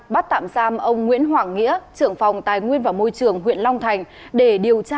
bắt tạm giam ông nguyễn hoàng nghĩa trưởng phòng tài nguyên và môi trường huyện long thành